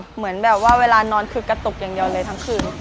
เหมือนแบบว่าเวลานอนคือกระตุกอย่างเดียวเลยทั้งคืน